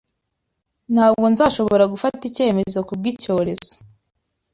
Ntabwo nzashobora gufata icyemezo kubw’icyorezo